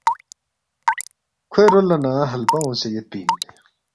کھوے رول لہ نہ ہلپہ اونگسے یودپی اِن